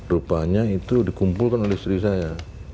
rupanya itu dikumpulkan oleh istri saya